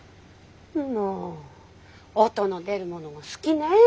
もう音の出るものが好きね。